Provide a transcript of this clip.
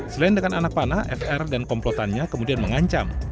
selain dengan anak panah fr dan komplotannya kemudian mengancam